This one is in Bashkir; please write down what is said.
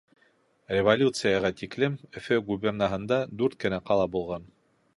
Революцияға тиклем Өфө губернаһында дүрт кенә ҡала булған.